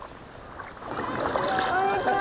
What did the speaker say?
こんにちは。